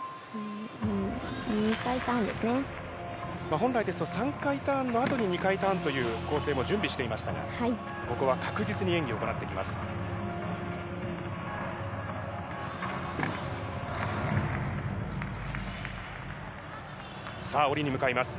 本来ですと３回ターンのあとに２回ターンという構成を準備していましたがここは確実に演技を行いました。